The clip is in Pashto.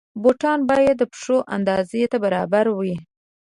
بوټونه باید د پښو اندازې ته برابر وي.